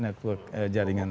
network jaringan ya